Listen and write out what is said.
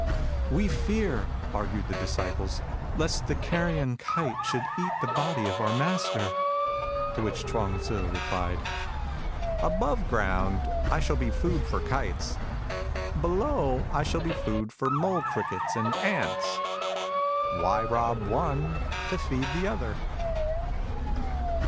" We fear," argued the disciples, '* lest the carrion kite should eat the body of our Master ;'^ to which Chuang Tzu replied :" Above ground I shall be food for kites ; below I shall be food for mole crickets and ants. Why rob one to feed the other